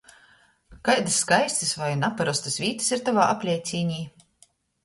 Kaidys skaistys voi naparostys vītys ir tovā apleicīnē?